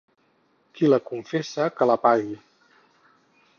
Qui la confessa que la pagui.